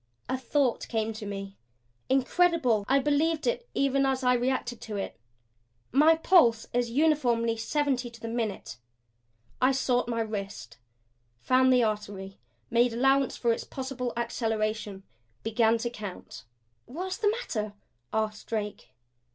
A thought came to me; incredible I believed it even as I reacted to it. My pulse is uniformly seventy to the minute. I sought my wrist, found the artery, made allowance for its possible acceleration, began to count. "What's the matter?" asked Drake.